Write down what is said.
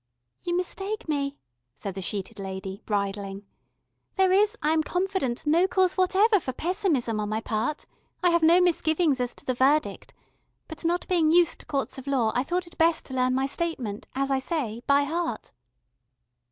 "You mistake me," said the sheeted lady, bridling. "There is, I am confident, no cause whatever for pessimism on my part. I have no misgivings as to the verdict. But not being used to courts of law, I thought it best to learn my statement, as I say, by heart."